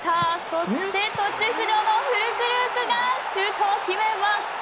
そして途中交代のフュルクルークがシュートを決めます！